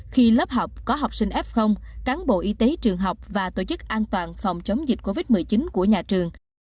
khi lớp học có học sinh f cán bộ y tế trường học và tổ chức an toàn phòng chống dịch covid một mươi chín của nhà trường